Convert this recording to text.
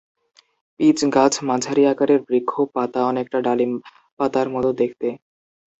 Pitch গাছ মাঝারি আকারের বৃক্ষ, পাতা অনেকটা ডালিম পাতার মতো দেখতে।